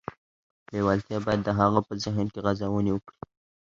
لېوالتیا باید د هغه په ذهن کې غځونې وکړي